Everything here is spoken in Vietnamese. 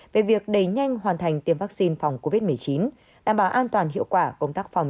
về việc đẩy nhanh hoàn thành tiêm vaccine phòng covid một mươi chín đảm bảo an toàn hiệu quả công tác phòng